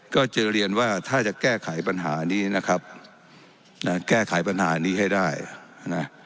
ก็จะเรียนว่าถ้าจะแก้ไขปัญหานี้นะครับนะแก้ไขปัญหานี้ให้ได้นะ